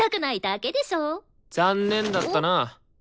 残念だったな。